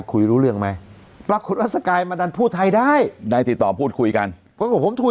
เข้าได้เข้าเข็ม